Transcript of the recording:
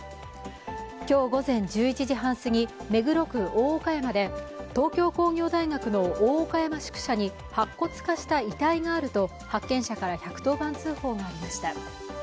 今日午前１１時半すぎ目黒区大岡山で東京工業大学の大岡山宿舎に白骨化した遺体があると発見者から１１０番通報がありました。